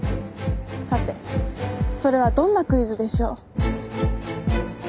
さてそれはどんなクイズでしょう？